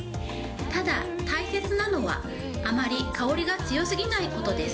ただ、大切なのは、あまり香りが強すぎないことです。